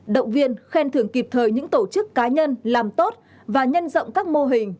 động viên khen thưởng kịp thời những tổ chức cá nhân làm tốt và nhân rộng các mô hình